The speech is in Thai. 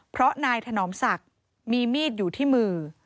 เพราะนายถนอมศักดิ์มีมีดอยู่ที่มือ